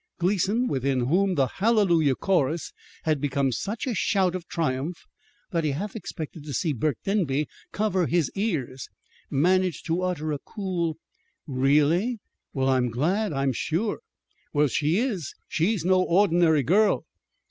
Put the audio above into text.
Gleason, within whom the Hallelujah Chorus had become such a shout of triumph that he half expected to see Burke Denby cover his ears, managed to utter a cool "Really? Well, I'm glad, I'm sure." "Well, she is. She's no ordinary girl."